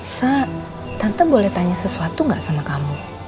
sa tante boleh tanya sesuatu nggak sama kamu